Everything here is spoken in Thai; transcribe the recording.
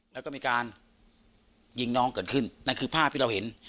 แล้วก็มีการยิงน้องเกิดขึ้นนั่นคือภาพที่เราเห็น